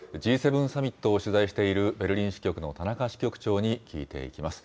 Ｇ７サミットを取材しているベルリン支局の田中支局長に聞いていきます。